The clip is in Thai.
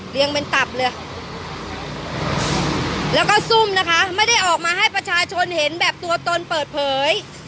ยังเป็นตับเลยแล้วก็ซุ่มนะคะไม่ได้ออกมาให้ประชาชนเห็นแบบตัวตนเปิดเผย